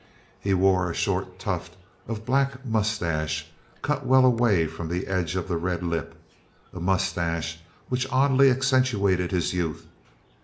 He wore a short tuft of black moustache cut well away from the edge of the red lip, a moustache which oddly accentuated his youth.